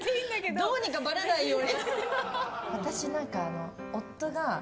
どうにかばれないように。